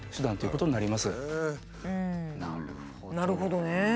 うんなるほどね。